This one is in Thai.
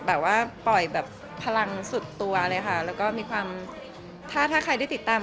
แบบว่าปล่อยแบบพลังสุดตัวเลยค่ะแล้วก็มีความถ้าถ้าใครได้ติดตาม